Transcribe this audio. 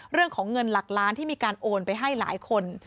เรื่องของเงินหลักล้านที่มีการโอนไปให้หลายคน